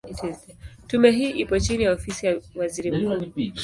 Tume hii ipo chini ya Ofisi ya Waziri Mkuu.